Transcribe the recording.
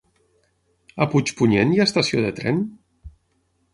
A Puigpunyent hi ha estació de tren?